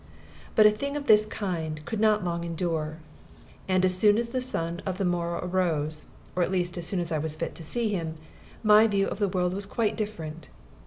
But a thing of this kind could not long endure; and as soon as the sun of the morrow arose (or at least as soon as I was fit to see him), my view of the world was quite different.